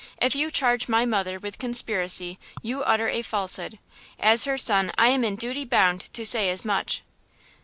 If you charge my mother with conspiracy you utter a falsehood. As her son I am in duty bound to say as much."